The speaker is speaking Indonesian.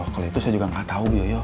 kalau itu saya juga nggak tahu bu yoyo